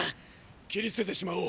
切り捨ててしまおう！